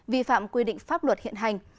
vi phạm quy định pháp luật hiện hành